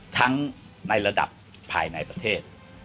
ทั้งในระดับภายในประเทศ